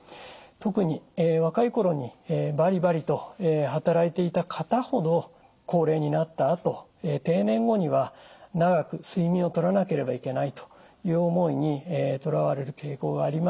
特に若い頃にバリバリと働いていた方ほど高齢になったあと定年後には長く睡眠をとらなければいけないという思いにとらわれる傾向があります。